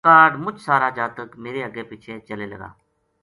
کاہڈ مُچ سارا جاتک میرے اَگے پِچھے چلے لگا